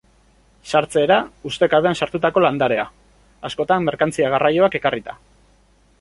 Sartze-era: Ustekabean sartutako landarea, askotan merkantzia-garraioak ekarrita.